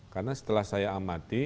karena setelah saya amati